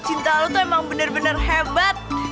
cinta lu tuh emang bener bener hebat